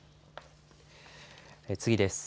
次です。